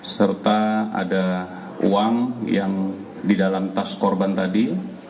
serta ada uang yang di dalam tas korban tadi